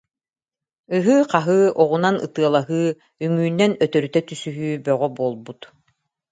Ыһыы-хаһыы, оҕунан ытыалаһыы, үҥүүнэн өтөрүтэ түсүһүү бөҕө буолбут